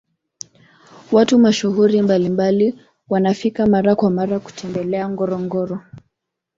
watu mashuhuri mbalimbali wanafika mara kwa mara kutembelea ngorongoro